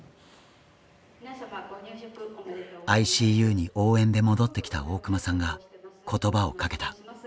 ＩＣＵに応援で戻ってきた大熊さんが言葉をかけた。